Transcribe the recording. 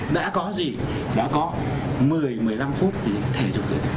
đã có gì đã có một mươi một mươi năm phút thể dục